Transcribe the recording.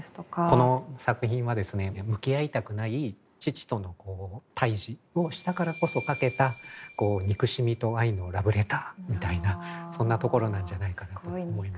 この作品はですね向き合いたくない父との対峙をしたからこそ書けた憎しみと愛のラブレターみたいなそんなところなんじゃないかなと思います。